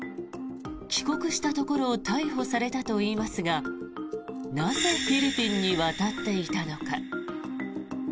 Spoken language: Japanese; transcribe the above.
帰国したところを逮捕されたといいますがなぜ、フィリピンに渡っていたのか。